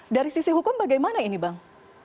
dari sisi hukum bagaimana ini bang